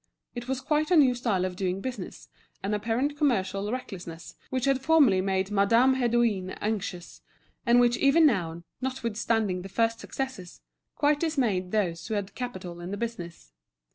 It was quite a new style of doing business, an apparent commercial recklessness which had formerly made Madame Hédouin anxious, and which even now, notwithstanding the first successes, quite dismayed those who had capital in the business.